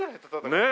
ねえ。